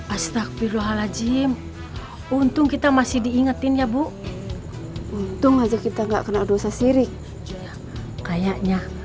astagbirul halajim untung kita masih diingetin ya bu untung aja kita gak kena dosa sirik kayaknya